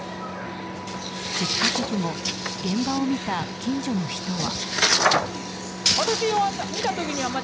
出火直後、現場を見た近所の人は。